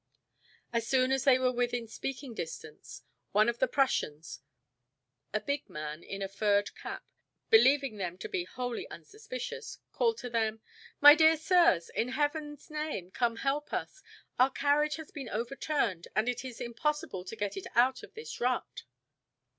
As soon as they were within speaking distance, one of the Prussians, a big man in a furred cap, believing them to be wholly unsuspicious, called to them: "My dear sirs, in heaven's name come help us! Our carriage has been overturned and it is impossible to get it out of this rut."